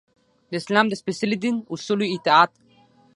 د اسلام د سپیڅلي دین اصولو اطاعت.